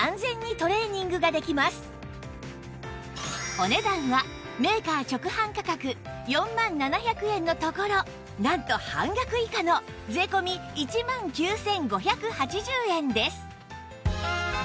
お値段はメーカー直販価格４万７００円のところなんと半額以下の税込１万９５８０円です